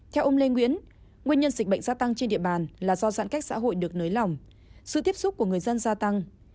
theo ông lê nguyễn nguyên nhân dịch bệnh gia tăng trên địa bàn là do giãn cách xã hội được nới lỏng sự tiếp xúc của người dân gia tăng